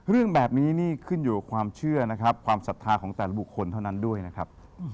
เรื่องแบบนี้นี่ขึ้นอยู่กับความเชื่อนะครับความศรัทธาของแต่ละบุคคลเท่านั้นด้วยนะครับ